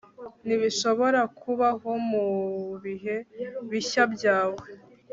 ntibishobora kubaho mubihe bishya byawe